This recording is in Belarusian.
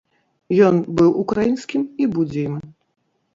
Ён быў украінскім і будзе ім.